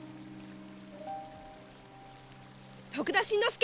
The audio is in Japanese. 徳田新之助！